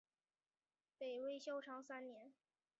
北魏孝昌三年。